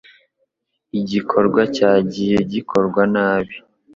igikorwa cyagiye gikorwa nabi